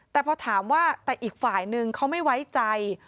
แต่พอถามว่าแต่อีกฝ่ายนึงเขาไม่ไว้ใจ